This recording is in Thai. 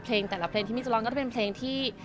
แต่ละเพลงที่มีจะร้องก็จะเป็นเพลงที่